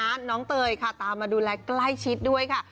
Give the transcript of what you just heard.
น้องเตยค่ะตามมาดูแลใกล้ชิดด้วยค่ะ